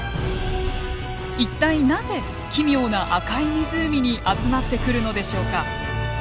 一体なぜ奇妙な赤い湖に集まってくるのでしょうか。